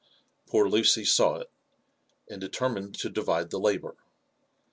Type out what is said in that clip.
Poor Lucy saw it, and deter miced to divide the labour.